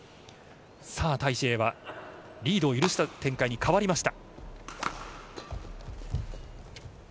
タイ・シエイはリードを許した展開に変わりました。